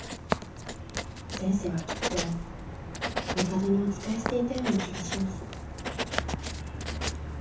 前世はきっと帝にお仕えしていたような気がします。